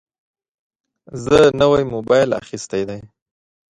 زه نوی موبایل اخیستی دی.